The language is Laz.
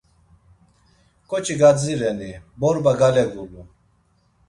K̆oçi gadzireni, borba gale gulun.